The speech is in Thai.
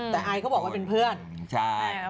ไม่ได้เป็นเพื่อนอะไรกันเลย